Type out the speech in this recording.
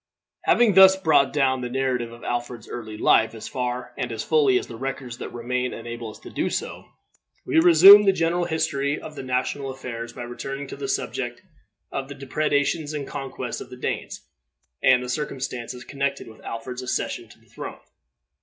Having thus brought down the narrative of Alfred's early life as far and as fully as the records that remain enable us to do so, we resume the general history of the national affairs by returning to the subject of the depredations and conquests of the Danes, and the circumstances connected with Alfred's accession to the throne.